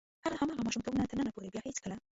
هغه له هماغه ماشومتوب نه تر ننه پورې بیا هېڅکله.